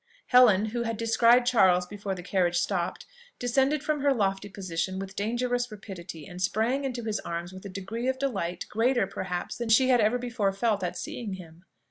Helen, who had descried Charles before the carriage stopped, descended from her lofty position with dangerous rapidity, and sprang into his arms with a degree of delight, greater, perhaps, than she had ever before felt at seeing him.